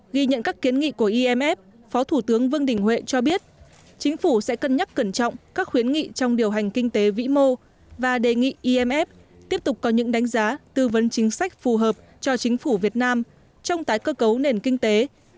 ghi nhận các kiến nghị của imf phó thủ tướng vương đình huệ cho biết chính phủ sẽ cân nhắc cẩn trọng các khuyến nghị trong điều hành kinh tế vĩ mô và đề nghị imf tiếp tục có những đánh giá tư vấn chính sách phù hợp cho chính phủ việt nam trong tái cơ cấu nền kinh tế